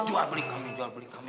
jual beli kami jual beli kami